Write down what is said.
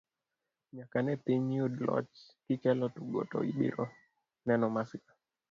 nyaka ne piny yud loch, kikelo tugo to ibiro neno masira